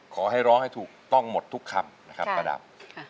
ก็ขอให้ร้องให้ถูกต้องหมดทุกคำนะครับประดับนะครับค่ะ